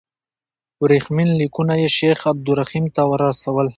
ورېښمین لیکونه یې شیخ عبدالرحیم ته رسول.